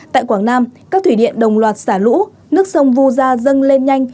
tại quảng nam các thủy điện đồng loạt xả lũ nước sông vu gia dâng lên nhanh